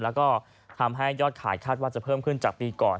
แล้วก็ทำให้ยอดขายคาดว่าจะเพิ่มขึ้นจากปีก่อน